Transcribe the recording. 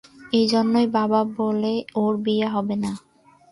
এজন্যই বাবা বলে ওর বিয়ে হবে না।